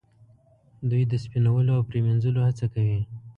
دوی د سپینولو او پریمینځلو هڅه کوي.